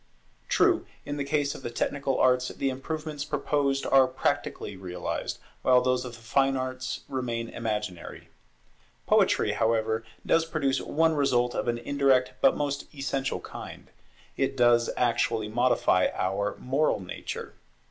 True, in the case of the technical arts the improvements proposed are practically realized, while those of the fine arts remain imaginary. Poetry, however, does produce one result of an indirect but most essential kind; it does actually modify our moral nature.